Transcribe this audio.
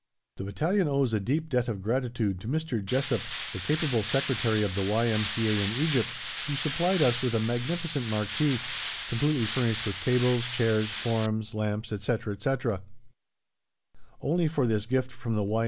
The battalion owes a deep debt of gratitude to Mr. Jessop, the capable secretary of the Y.M.C.A. in Egypt, who supplied us with a magnificent marquee, completely furnished with tables, chairs, forms, lamps, etc., etc. Only for this gift from the Y.